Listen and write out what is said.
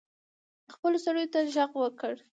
خپلو سړیو ته ږغ وکړي.